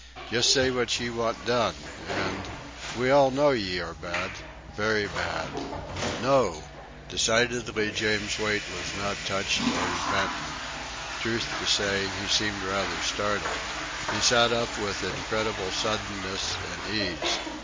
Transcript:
Just say what ye want done, and.... We all know ye are bad very bad...." No! Decidedly James Wait was not touched or repentant. Truth to say, he seemed rather startled. He sat up with incredible suddenness and ease.